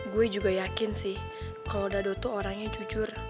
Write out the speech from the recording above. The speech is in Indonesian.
gue juga yakin sih kalau dado tuh orangnya jujur